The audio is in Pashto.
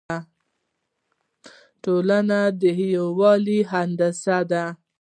ټولنه د یووالي هندسه ده.